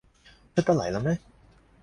出得嚟喇咩？